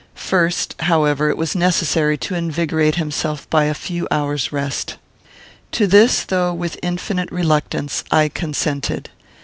First, however, it was necessary to invigorate himself by a few hours' rest. To this, though with infinite reluctance, I consented.